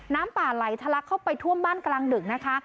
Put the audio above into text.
น้ำป่าไหลทะลักเข้าไปท่วมบ้านกลางดึกนะคะ